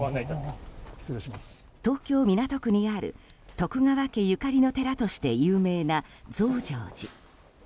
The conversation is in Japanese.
東京・港区にある徳川家ゆかりの寺として有名な増上寺。